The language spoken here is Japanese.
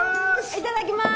いただきまーす